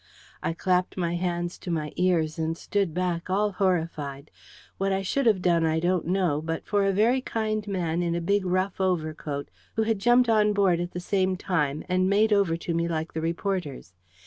I clapped my hands to my ears, and stood back, all horrified. What I should have done, I don't know, but for a very kind man in a big rough overcoat, who had jumped on board at the same time, and made over to me like the reporters.